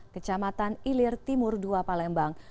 kecamatan ilir timur dua palembang